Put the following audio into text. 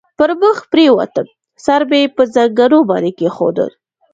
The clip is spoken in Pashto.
پر مخ پرېوتم، سر مې پر زنګنو باندې کېښود.